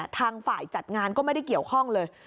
ทางฝ่ายจัดงานก็ไม่ได้เกี่ยวข้องเลย